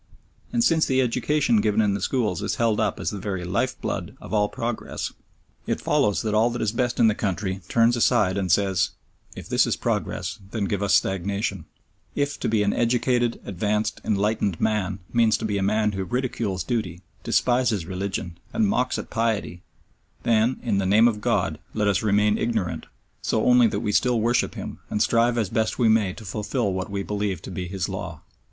And since the education given in the schools is held up as the very life blood of all progress, it follows that all that is best in the country turns aside and says, "If this is progress, then give us stagnation; if to be an 'educated,' 'advanced,' 'enlightened' man means to be a man who ridicules duty, despises religion, and mocks at piety, then, in the name of God, let us remain ignorant so only that we still worship Him, and strive as best we may to fulfil what we believe to be His law!"